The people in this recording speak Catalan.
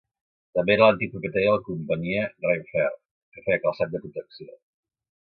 També era l'antic propietari de la Companyia Rainfair, que feia calçat de protecció.